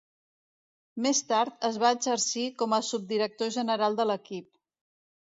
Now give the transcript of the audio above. Més tard es va exercir com a subdirector general de l'equip.